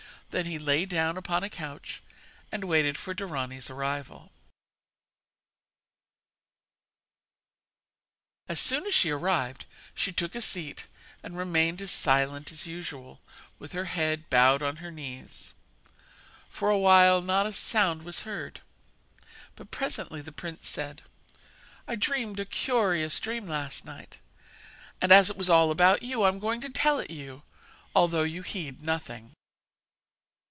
Then he lay down upon a couch and waited for Dorani's arrival. [Illustration: THE INVISIBLE PRINCE GOES WITH THE LADIES] As soon as she arrived she took a seat and remained as silent as usual, with her head bowed on her knees. For a while not a sound was heard, but presently the prince said: 'I dreamed a curious dream last night, and as it was all about you I am going to tell it you, although you heed nothing.'